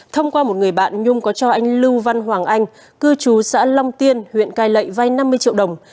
thông qua một người bạn nhung có cho anh lưu văn hoàng anh cư trú xã long tiên huyện cai lệ vai năm mươi triệu đồng